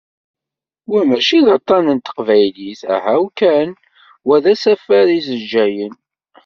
Wa mačči d aṭan n teqbaylit, ahaw kan, wa d asafar issejjayen.